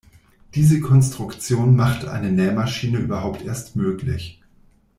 Diese Konstruktion macht eine Nähmaschine überhaupt erst möglich.